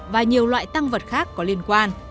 và nhiều loại tăng vật khác có liên quan